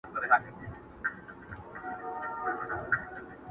شپه اوږده او درنه وي تل،